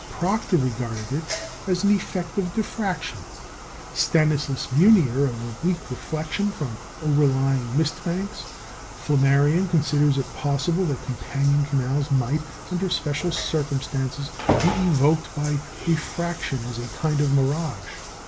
Proctor regarded it as an effect of diffraction; Stanislas Meunier, of oblique reflection from overlying mist banks; Flammarion considers it possible that companion canals might, under special circumstances, be evoked by refraction as a kind of mirage.